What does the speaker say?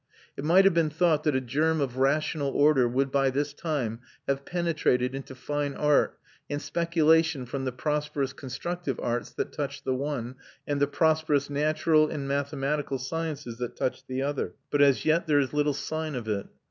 It might have been thought that a germ of rational order would by this time have penetrated into fine art and speculation from the prosperous constructive arts that touch the one, and the prosperous natural and mathematical sciences that touch the other. But as yet there is little sign of it.